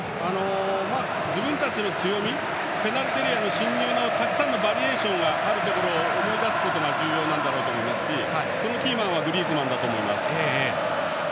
自分たちの強みペナルティーエリア内の進入のたくさんのバリエーションがあることを思い出すことが重要だろうと思いますし、そのキーマンはグリーズマンだと思います。